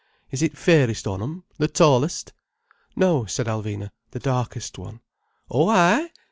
Is it the fairest on 'em, the tallest." "No," said Alvina. "The darkest one." "Oh ay!